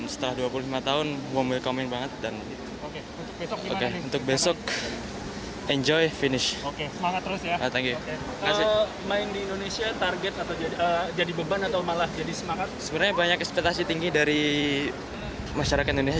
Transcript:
sebenarnya banyak ekspetasi tinggi dari masyarakat indonesia